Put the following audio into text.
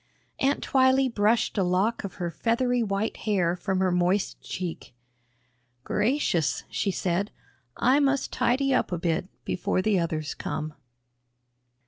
Aunt Twylee brushed a lock of her feathery white hair from her moist cheek. "Gracious," she said, "I must tidy up a bit before the others come."